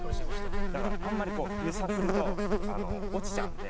だからあんまりゆさくると落ちちゃうんで。